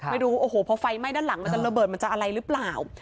ไม่รู้โอ้โหพอไฟไหม้ด้านหลังมันจะระเบิดมันจะอะไรหรือเปล่า